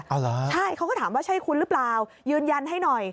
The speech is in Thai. เอาเหรอใช่เขาก็ถามว่าใช่คุณหรือเปล่ายืนยันให้หน่อย